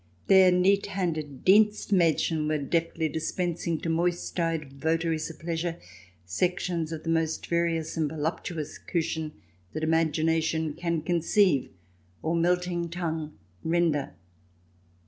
There neat handed Dienst m'ddchen were deftly dispensing to moist eyed votaries of pleasure sections of the most various and voluptuous Kuchen that imagination can conceive or melting tongue render.